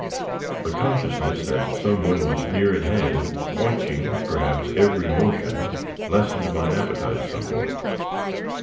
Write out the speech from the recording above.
The consciousness that some one was near at hand, watching, perhaps, every motion, lessened my appetite somewhat.